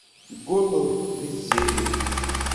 Teggulleḍ deg Tiziri.